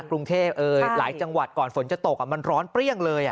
กรุงเทพหลายจังหวัดก่อนฝนจะตกมันร้อนเปรี้ยงเลย